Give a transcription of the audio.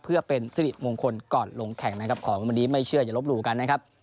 เพื่อเป็นสิริมงคลก่อนลงแข่งนะครับของวันนี้ไม่เชื่ออย่าลบหลู่กันนะครับ